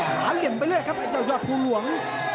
หาเหลี่ยมไปเลยครับยอดภูรวง